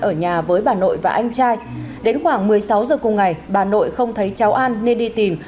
ở nhà với bà nội và anh trai đến khoảng một mươi sáu giờ cùng ngày bà nội không thấy cháu an nên đi tìm